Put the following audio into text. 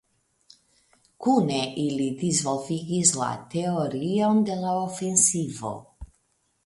Kune ili disvolvigis la "teorion de la ofensivo".